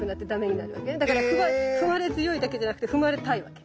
だから踏まれ強いだけじゃなくて踏まれたいわけ。